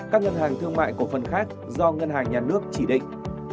các ngân hàng thương mại cổ phần khác do ngân hàng nhà nước chỉ định